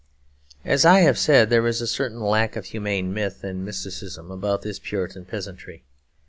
As I have said, there is a certain lack of humane myth and mysticism about this Puritan peasantry.